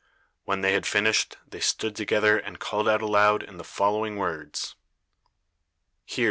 When they had finished, they stood together and called out aloud in the following words: "Hear!